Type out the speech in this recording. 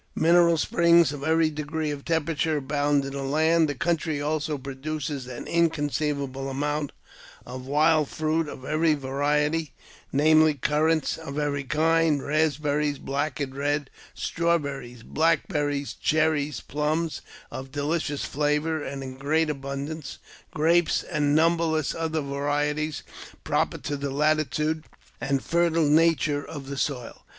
Mineral springs of every degree of temperature abound in the land. The country also produces an inconceivable amount of wild fruit of every variety, namely, currants, of every kind; raspberries, black and red; strawberries, blackberries, cherries; plums, of delicious jflavour and in great abundance ; grapes, and numberless other varieties proper to the latitude and fertile nature of the soil.